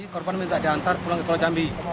korban minta diantar pulang ke sekolah jambi